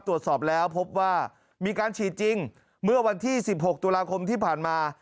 ตรวจสอบแล้วพบว่ามีการฉีดจริงเมื่อวันที่๑๖ตุลาคมที่ผ่านมา